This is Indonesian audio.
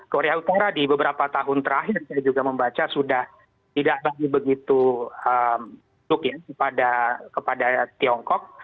korea utara di beberapa tahun terakhir saya juga membaca sudah tidak lagi begitu masuk ya kepada tiongkok